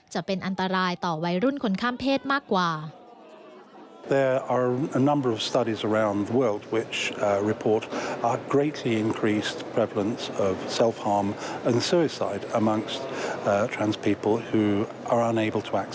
จะเป็นอันตรายต่อวัยรุ่นคนข้ามเพศมากกว่า